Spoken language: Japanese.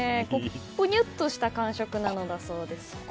ぽにゅっとした感触なんだそうです。